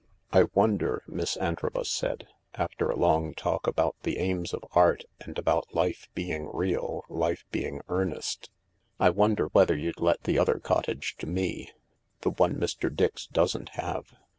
" I wonder," Miss Antrobus 282 THE LARK said, after a long talk about the aims of art, and about life being real, life being earnest, " I wonder whether you'd let the other cottage to me~the one Mr. Dix doesn't have